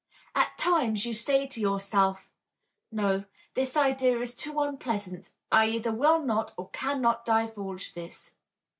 At times you say to yourself, "No, this idea is too unpleasant, I either will not or cannot divulge this."